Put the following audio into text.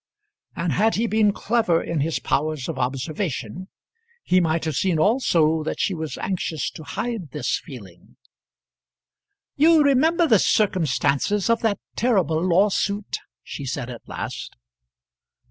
And had he been clever in his powers of observation he might have seen also that she was anxious to hide this feeling. "You remember the circumstances of that terrible lawsuit?" she said, at last.